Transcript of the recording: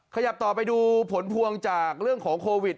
ขยับต่อไปดูผลพวงจากเรื่องของโควิด